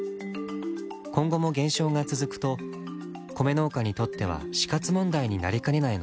今後も減少が続くと米農家にとっては死活問題になりかねないのです。